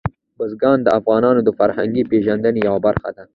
بزګان د افغانانو د فرهنګي پیژندنې یوه برخه ده.